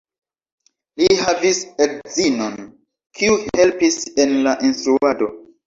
Li havis edzinon, kiu helpis en la instruado.